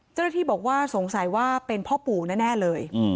เจ้าหน้าที่บอกว่าสงสัยว่าเป็นพ่อปู่แน่เลย